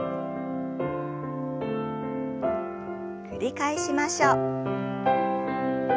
繰り返しましょう。